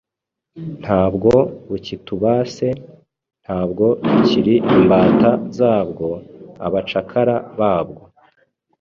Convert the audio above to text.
Ntabwo bukitubase: ntabwo tukiri imbata zabwo, abacakara babwo.